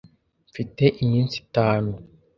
Mfite iminsi itanu.